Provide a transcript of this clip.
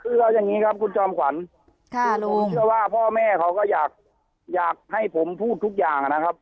คือเอาอย่างนี้ครับคุณจอมขวัญผมเชื่อว่าพ่อแม่เขาก็อยากอยากให้ผมพูดทุกอย่างนะครับ